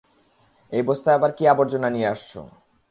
এই বস্তায় আবার কী আবর্জনা নিয়ে আসছো?